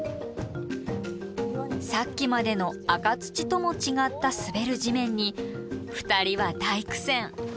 さっきまでの赤土とも違った滑る地面に２人は大苦戦。